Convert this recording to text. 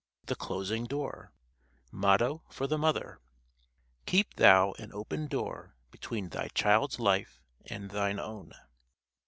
THE CLOSING DOOR MOTTO FOR THE MOTHER Keep thou an open door between thy child's life and thine own.